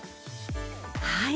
はい。